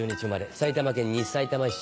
埼玉県西さいたま市出身。